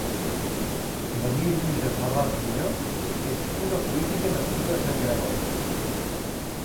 Maria Lluïsa Farràs Muñoz és una política nascuda a Sant Gregori.